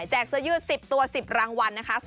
เสื้อยืด๑๐ตัว๑๐รางวัลนะคะ